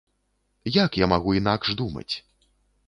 Як я магу інакш думаць?